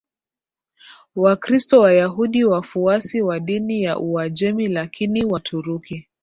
Wakristo Wayahudi Wafuasi wa dini ya Uajemi Lakini Waturuki